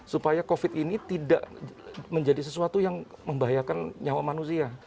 supaya covid ini tidak menjadi sesuatu yang membahayakan nyawa manusia